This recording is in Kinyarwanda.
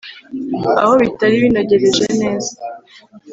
aho bitari binogereje neza,